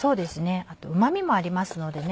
あとうま味もありますのでね